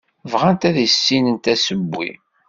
Bɣant ad issinent asewwi.